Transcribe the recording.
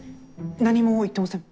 何も言ってません。